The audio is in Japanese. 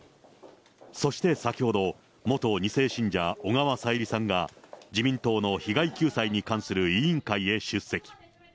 そして先ほど、元２世信者、小川さゆりさんが、自民党の被害救済に関する委員会へ出席。